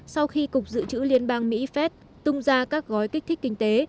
sau khi cục dự trữ liên bang mỹ phép tung ra các gói kích thích kinh tế